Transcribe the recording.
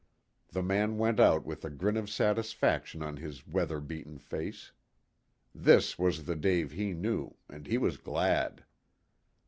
The man went out with a grin of satisfaction on his weather beaten face. This was the Dave he knew, and he was glad.